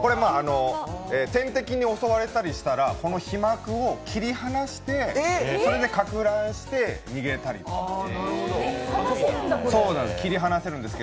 天敵に襲われたりしたら、この皮膜を切り離してそれで、かく乱して逃げたりするんです。